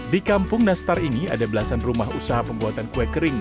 di kampung nastar ini ada belasan rumah usaha pembuatan kue kering